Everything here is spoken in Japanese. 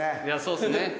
いやそうですね。